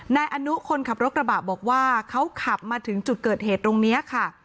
นายอนุคนขับรถกระบะบอกว่าเขาขับมาถึงจุดเกิดเหตุตรงนี้ค่ะ